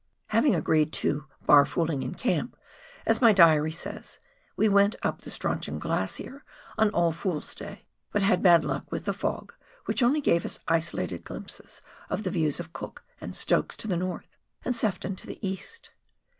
Having agreed to " bar fooling in camp," as my diary says, we went up the Strauchon Glacier on All Fools' Day, but had bad luck with the fog, which only gave us isolated glimpses of the views of Cook and Stokes to the north, and Sefton to the east.